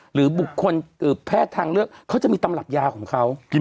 หรือบุคคลแพทย์ทางเลือกเขาจะมีตำรับยาของเขา